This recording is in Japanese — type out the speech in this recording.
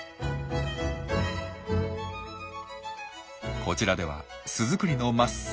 こちらでは巣作りの真っ最中。